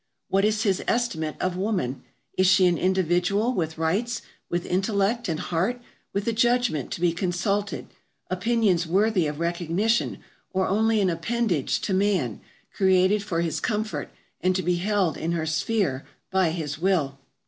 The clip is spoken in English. What is his estimate of woman? Is she an individual with rights, with intellect and heart, with a judgment to be consulted, opinions worthy of recognition, or only an appendage to man, created for his comfort and to be held in her "sphere" by his will?